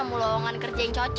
kamu yang kecil